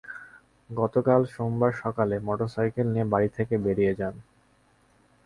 গতকাল সোমবার সকালে মোটরসাইকেল নিয়ে বাড়ি থেকে বেরিয়ে যান।